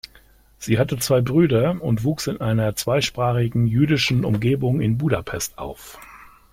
Sie hatte zwei Brüder und wuchs in einer zweisprachigen jüdischen Umgebung in Budapest auf.